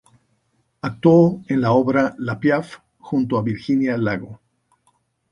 Actuó en la obra "La Piaf" junto a Virginia Lago.